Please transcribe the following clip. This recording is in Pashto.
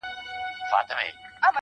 که هر څو نجوني ږغېږي چي لونګ یم.